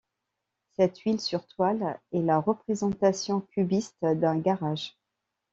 Cette huile sur toile est la représentation cubiste d'un garage.